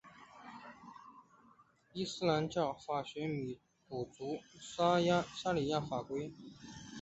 伊斯兰教法学补足沙里亚法规。